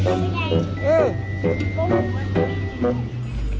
มีไง